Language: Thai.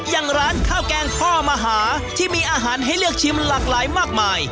อย่างร้านข้าวแกงพ่อมหาที่มีอาหารให้เลือกชิมหลากหลายมากมาย